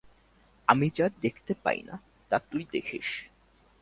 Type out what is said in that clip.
আমি যা দেখতে পাই না তা তুই দেখিস।